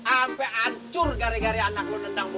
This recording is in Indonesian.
ampe ancur gara gara anak